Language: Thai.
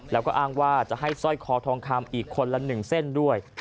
แล้วก็อ้างว่าจะให้สร้อยคอทองคำอีกคนละ๑เส้นด้วย